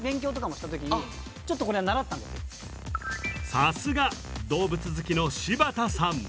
さすが動物好きの柴田さん！